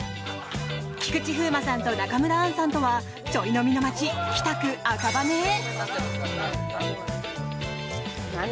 菊池風磨さんと中村アンさんとはちょい飲みの街・北区赤羽へ。